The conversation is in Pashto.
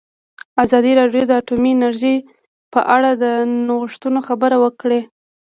ازادي راډیو د اټومي انرژي په اړه د نوښتونو خبر ورکړی.